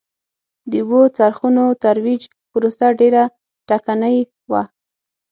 د اوبو څرخونو ترویج پروسه ډېره ټکنۍ وه